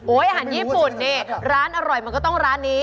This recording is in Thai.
อาหารญี่ปุ่นนี่ร้านอร่อยมันก็ต้องร้านนี้